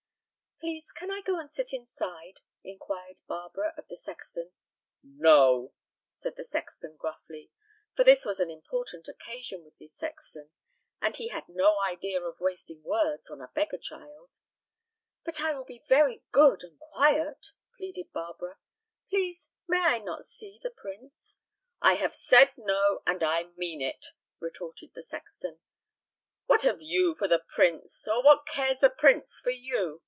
"Please, can I go and sit inside?" inquired Barbara of the sexton. "No!" said the sexton, gruffly, for this was an important occasion with the sexton, and he had no idea of wasting words on a beggar child. "But I will be very good and quiet," pleaded Barbara. "Please, may I not see the prince?" "I have said no, and I mean it," retorted the sexton. "What have you for the prince, or what cares the prince for you?